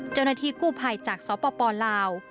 เจ้าหน้าที่กู้ภัยจากสปลาว